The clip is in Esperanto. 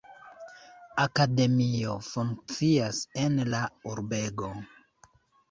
Akademio funkcias en la urbego.